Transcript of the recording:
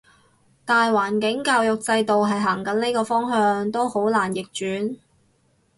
大環境教育制度係行緊呢個方向，都好難逆轉